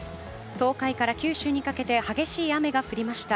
東海から九州にかけて激しい雨が降りました。